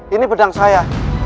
ini pedang saya